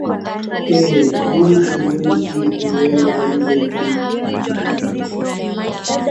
ee huwezi huwezi kuona ile tangible